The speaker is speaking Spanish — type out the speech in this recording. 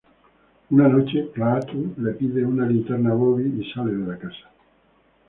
Una noche, Klaatu le pide una linterna a Bobby, y sale de la casa.